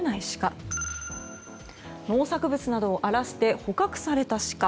２つ目が、農作物などを荒らして捕獲されたシカ。